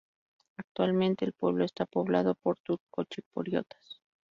Actualmente, el pueblo está poblado por turcochipriotas.